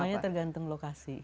semuanya tergantung lokasi